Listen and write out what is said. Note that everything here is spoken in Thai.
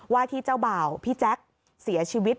ว่าที่เจ้าบ่าวพี่แจ๊คเสียชีวิต